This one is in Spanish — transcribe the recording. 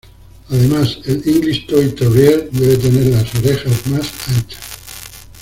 Además, el English Toy Terrier debe tener las orejas más anchas.